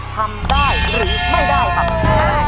ทำได้หรือไม่ได้ครับ